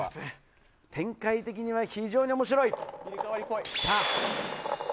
展開的には非常に面白い。